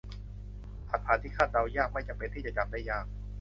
รหัสผ่านที่คาดเดายากไม่จำเป็นที่จะจำได้ยาก